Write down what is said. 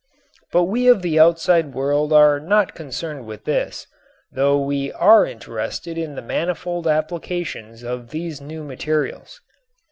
But we of the outside world are not concerned with this, though we are interested in the manifold applications of these new materials.